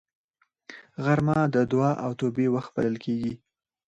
غرمه د دعا او توبې وخت بلل کېږي